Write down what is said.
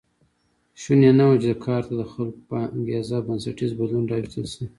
شونې نه وه چې کار ته د خلکو په انګېزه بنسټیز بدلون راوستل شي